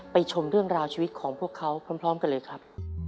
ชมเรื่องราวชีวิตของพวกเขาพร้อมกันเลยครับ